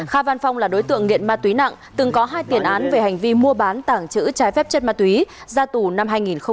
kha văn phong là đối tượng nghiện ma túy nặng từng có hai tiền án về hành vi mua bán tảng chữ trái phép chất ma túy ra tù năm hai nghìn một mươi